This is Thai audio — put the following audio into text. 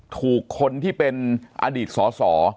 ถูกคนที่เป็นอดีตสอสอ